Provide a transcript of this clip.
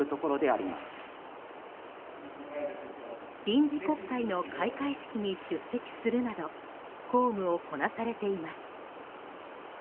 臨時国会の開会式に出席するなど公務をこなされています。